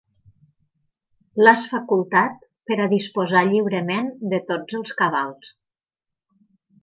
L'has facultat per a disposar lliurement de tots els cabals.